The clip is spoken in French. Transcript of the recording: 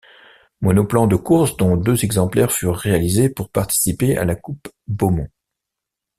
Monoplan de course dont deux exemplaires furent réalisés pour participer à la Coupe Beaumont.